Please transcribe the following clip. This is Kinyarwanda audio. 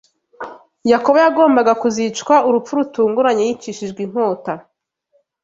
Yakobo yagombaga kuzicwa urupfu rutunguranye yicishijwe inkota